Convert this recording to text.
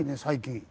最近。